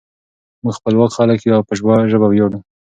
موږ خپلواک خلک یو او په ژبه ویاړو.